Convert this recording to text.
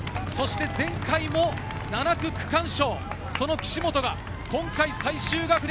前回も７区区間賞、その岸本が今回最終学年。